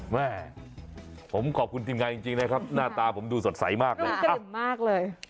แม่ผมขอบคุณทีมงานจริงนะครับหน้าตาผมดูสดใสมากเลย